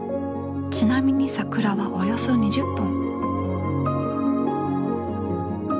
ちなみに桜はおよそ２０本。